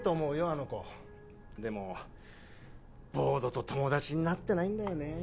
あの子でもボードと友達になってないんだよね